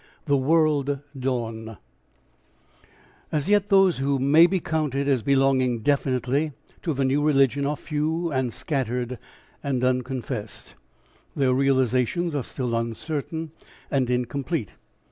THE WORLD DAWN As yet those who may be counted as belonging definitely to the new religion are few and scattered and unconfessed, their realisations are still uncertain and incomplete.